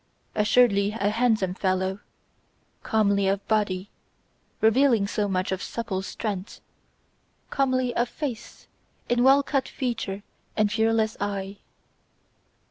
Assuredly a handsome fellow; comely of body, revealing so much of supple strength; comely of face in well cut feature and fearless eye